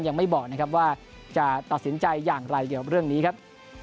ยังไม่บอกนะครับว่าจะตัดสินใจอย่างไรเกี่ยวกับเรื่องนี้ครับ